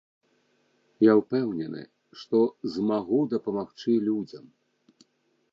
Я ўпэўнены, што змагу дапамагчы людзям.